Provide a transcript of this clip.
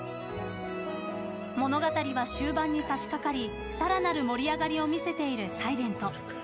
物語は終盤に差し掛かりさらなる盛り上がりを見せている「ｓｉｌｅｎｔ」